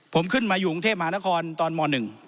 ผมขึ้นมาอยู่กรุงเทพมหานครตอนม๑